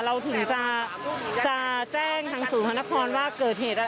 เราถึงจะแจ้งทางศูนย์พระนครว่าเกิดเหตุอะไร